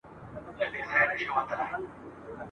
تر چاسر، بوکا بالزاک او نورو پوري د ټولو په کيسو کي